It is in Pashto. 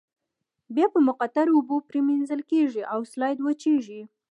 بیا په مقطرو اوبو پریمنځل کیږي او سلایډ وچیږي.